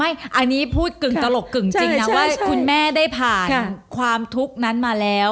อันนี้พูดกึ่งตลกกึ่งจริงนะว่าคุณแม่ได้ผ่านความทุกข์นั้นมาแล้ว